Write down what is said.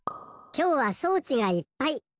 きょうは装置がいっぱい！